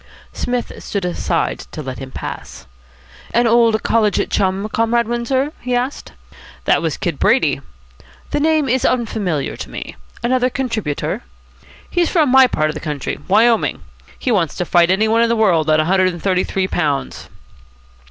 Psmith stood aside to let him pass. "An old college chum, Comrade Windsor?" he asked. "That was Kid Brady." "The name is unfamiliar to me. Another contributor?" "He's from my part of the country Wyoming. He wants to fight any one in the world at a hundred and thirty three pounds."